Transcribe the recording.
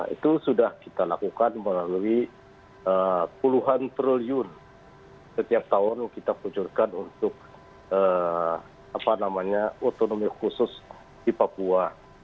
itu sudah kita lakukan melalui puluhan triliun setiap tahun kita kucurkan untuk otonomi khusus di papua